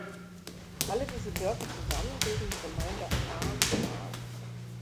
Alle diese Dörfer zusammen bilden die Gemeinde Ahrntal.